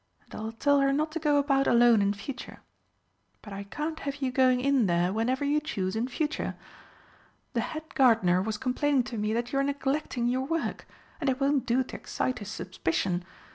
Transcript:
And I'll tell her not to go about alone in future.... But I can't have you going in there whenever you choose in future. The Head Gardener was complaining to me that you are neglecting your work, and it won't do to excite his suspicion.